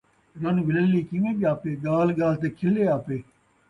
رن وللّی کیویں ڄاپے ، ڳالھ ڳالھ تے کِھلے آپے